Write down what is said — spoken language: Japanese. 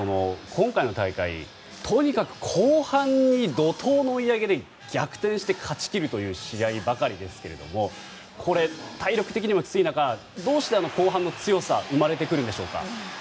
今回の大会とにかく後半に怒涛の追い上げで逆転して勝ち切るという試合ばかりですけれども体力的にもきつい中どうして後半の強さ生まれてくるんでしょうか。